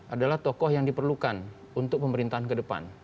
adalah tokoh yang diperlukan untuk pemerintahan kedepan